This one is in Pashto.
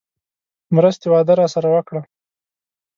مرستې وعده راسره وکړه.